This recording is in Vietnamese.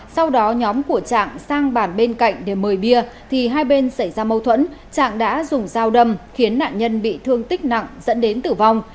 sau đó nhóm của trạng sang bàn bên cạnh để mời bia thì hai bên xảy ra mâu thuẫn trạng đã dùng dao đâm khiến nạn nhân bị thương tích nặng dẫn đến tử vong